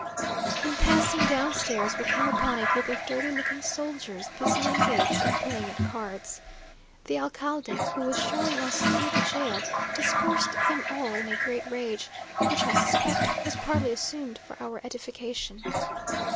In passing downstairs, we came upon a group of dirty looking soldiers, busily engaged in playing at cards. The alcalde, who was showing us through the jail, dispersed them all in a great rage, which I suspected was partly assumed for our edification.